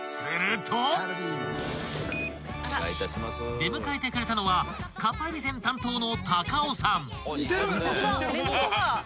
［出迎えてくれたのはかっぱえびせん担当の］